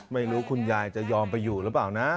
คุณยายจะยอมไปอยู่หรือเปล่านะ